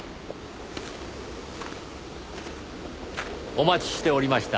お待ちしておりました。